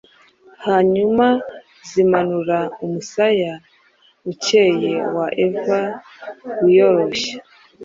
hanyuma Zimanura umusaya ucyeye wa Eva wiyoroshya,